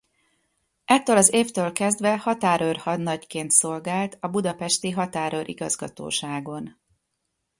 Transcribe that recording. Ettől az évtől kezdve határőr hadnagyként szolgált a Budapesti Határőr Igazgatóságon.